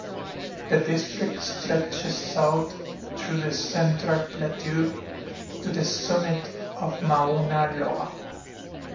The district stretches south through the central plateau to the summit of Mauna Loa.